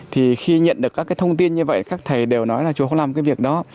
thì khi nhận được các cái thông tin như vậy các thầy đều nói là chỗ làm cái việc đó